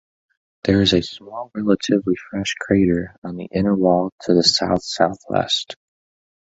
There is a small, relatively fresh crater on the inner wall to the south-southwest.